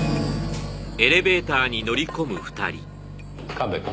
神戸君。